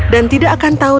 dia mencari makanan baru